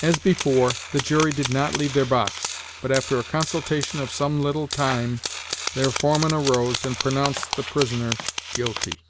As before, the jury did not leave their box; but, after a consultation of some little time, their foreman arose, and pronounced the prisoner Guilty.